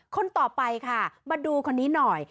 คนต่อไปค่ะมาดูคนนี้หน่อย